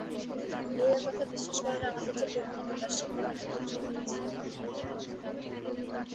বইয়ের কথা বিশ্বাস করার আমাদের যে-প্রবণতা তার শিকড় অনেকদূর চলে গেছে।